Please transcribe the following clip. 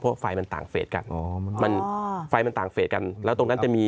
เพราะว่าไฟมันต่างเฟสกัน